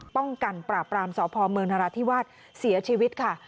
ป้องกันปราบรามสพมนที่วาดเสียชีวิตค่ะ